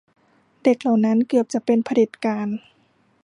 เด็กเหล่านั้นเกือบจะเป็นเผด็จการ